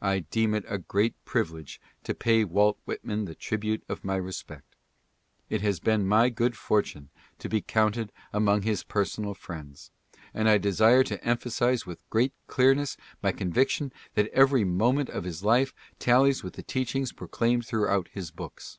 I deem it a great privilege to pay Walt Whitman the tribute of my respect. It has been my^good fortune to be counted among his personal friends, and I desire to emphasize with great clearness my conviction that every nfoment of his life tallies with the teachings proclaimed throughout his books.